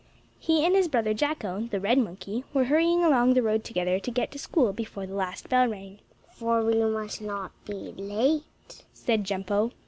He and his brother Jacko, the red monkey, were hurrying along the road together to get to school before the last bell rang. "For we must not be late," said Jumpo.